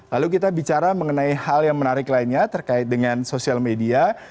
lalu kita bicara mengenai hal yang menarik lainnya terkait dengan sosial media